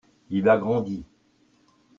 il a grandi.